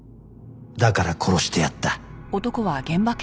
だから殺してやった